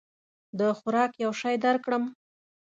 د خوراک یو شی درکړم؟